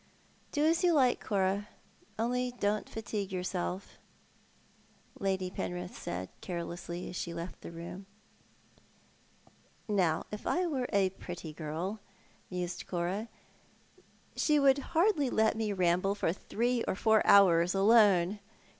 " Do as you like, Cora, only don't fatigue yourself," Lady Penrith eaid carelessly, as she left the room. •■'Now, if I were a pretty girl,"' mused Cora, "she would hardly let me ramble for three or four hours alone.